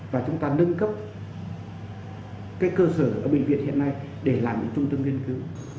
và chúng ta nâng cấp cơ sở ở bệnh viện hiện nay để làm những trung tâm nghiên cứu